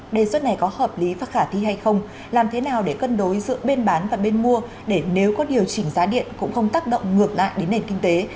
đề xuất này có hợp lý và khả thi hay không làm thế nào để cân đối giữa bên bán và bên mua để nếu có điều chỉnh giá điện cũng không tác động ngược lại đến nền kinh tế